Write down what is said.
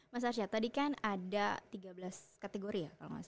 mas arsyad tadi kan ada tiga belas kategori ya